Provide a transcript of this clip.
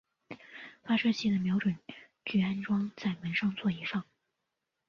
发射器的瞄准具安装在照门座以上。